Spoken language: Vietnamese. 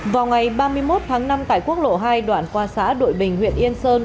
vào ngày ba mươi một tháng năm tại quốc lộ hai đoạn qua xã đội bình huyện yên sơn